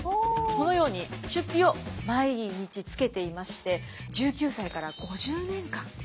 このように出費を毎日つけていまして１９歳から５０年間。